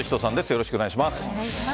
よろしくお願いします。